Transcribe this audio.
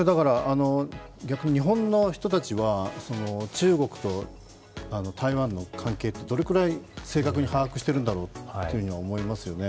逆に日本の人たちは中国と台湾の関係って、どれくらい正確に把握してるんだろうというふうには思いますよね。